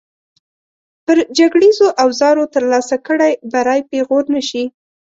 پر جګړیزو اوزارو ترلاسه کړی بری پېغور نه شي.